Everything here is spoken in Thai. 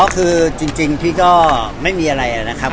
คือจริงพี่ก็ไม่มีอะไรนะครับ